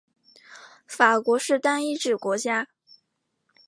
法国是单一制国家。